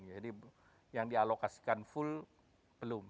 yang dialokasikan full belum